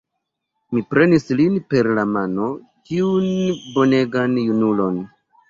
Mi prenis lin per la mano, tiun bonegan junulon.